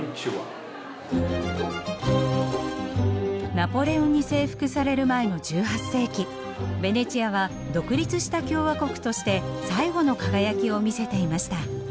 ナポレオンに征服される前の１８世紀ベネチアは独立した共和国として最後の輝きを見せていました。